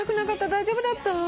大丈夫だった？